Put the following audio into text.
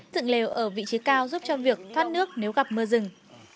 dựng lều ở vị trí cao giúp cho việc thoát nước nếu gặp mưa rừng